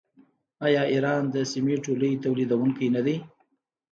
آیا ایران د سمنټو لوی تولیدونکی نه دی؟